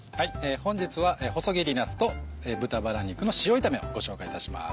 本日は「細切りなすと豚バラ肉の塩炒め」をご紹介いたします。